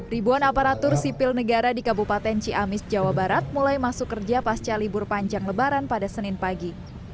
ribuan aparatur sipil negara di kabupaten ciamis jawa barat mulai masuk kerja pasca libur panjang lebaran pada senin pagi